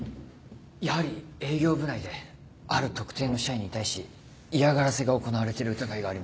やはり営業部内である特定の社員に対し嫌がらせが行われている疑いがあります。